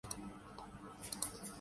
یہ پراپرٹیاں باہر کس نے بنائی ہیں؟